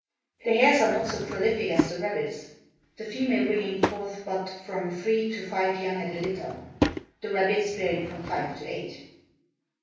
The hares are not so prolific as the rabbits, the female bringing forth but from three to five young at a litter, the rabbits bearing from five to eight.